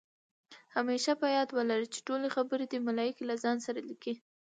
همېشه په یاد ولره، چې ټولې خبرې دې ملائکې له ځان سره لیکي